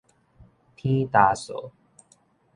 天焦燥